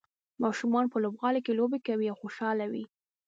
ماشومان په لوبغالي کې لوبې کوي او خوشحاله وي.